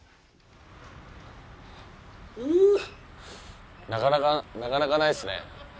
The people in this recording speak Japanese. う、なかなかないっすね。